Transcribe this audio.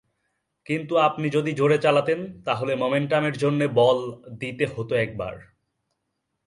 কিন্তু আপনি যদি জোরে চালাতেন, তাহলে মোমেন্টামের জন্যে বল দিতে হত একবার।